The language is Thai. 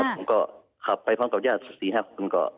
ผมก็ขับไปพร้อมกับญาติสัก๔๕คนก็